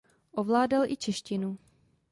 Ovládal i češtinu.